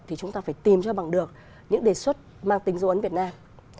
thì chúng ta phải tìm ra bằng được những đề xuất mang tính dấu ấn việt nam